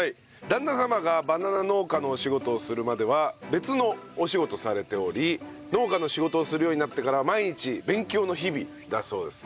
旦那様がバナナ農家のお仕事をするまでは別のお仕事をされており農家の仕事をするようになってからは毎日勉強の日々だそうです。